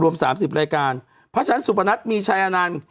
รวมสามสิบรายการภาษาชั้นสุปนัตรมีชายอานาน